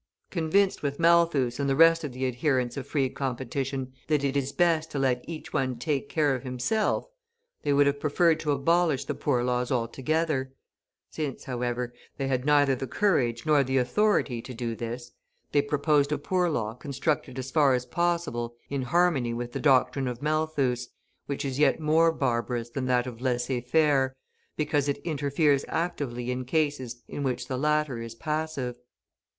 Convinced with Malthus and the rest of the adherents of free competition that it is best to let each one take care of himself, they would have preferred to abolish the Poor Laws altogether. Since, however, they had neither the courage nor the authority to do this, they proposed a Poor Law constructed as far as possible in harmony with the doctrine of Malthus, which is yet more barbarous than that of laissez faire, because it interferes actively in cases in which the latter is passive.